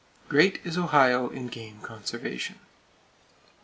Great is Ohio in game conservation!